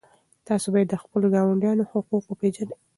تاسو باید د خپلو ګاونډیانو حقوق وپېژنئ.